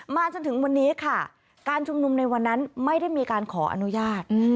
จนถึงวันนี้ค่ะการชุมนุมในวันนั้นไม่ได้มีการขออนุญาต